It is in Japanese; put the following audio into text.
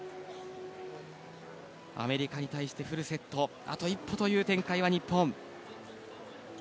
アメリカに対してフルセットあと一歩という展開、日本。